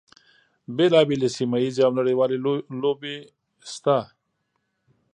بیلا بېلې سیمه ییزې او نړیوالې لوبې شته دي.